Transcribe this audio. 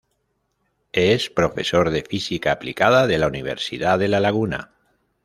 Es profesor de Física aplicada de la Universidad de La Laguna.